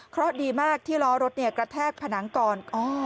เพราะดีมากที่ล้อรถกระแทกผนังก่อน